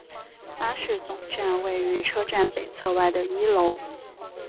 巴士总站位于车站北侧外的一楼。